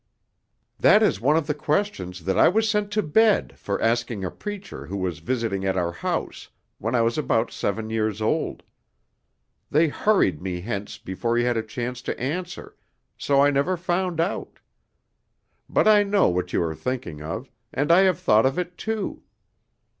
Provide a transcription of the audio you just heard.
"That is one of the questions that I was sent to bed for asking a preacher who was visiting at our house, when I was about seven years old. They hurried me hence before he had a chance to answer, so I never found out. But I know what you are thinking of, and I have thought of it too.